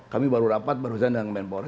kami baru rapat baru saja udah main bola